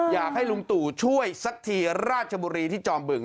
อยากให้ลุงตู่ช่วยสักทีราชบุรีที่จอมบึง